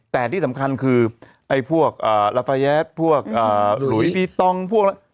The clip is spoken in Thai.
แต่ที่สำคัญคือไอ้พวกระไฟแยฟพวกหลุยบีตองพวก